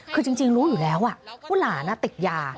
คือจริงรู้อยู่แล้วว่าหลานติดยา